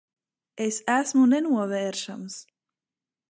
Es esmu nenovēršams.